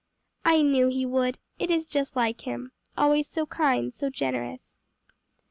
"I knew he would; it is just like him always so kind, so generous."